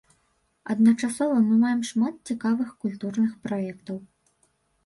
Адначасова мы маем шмат цікавых культурных праектаў.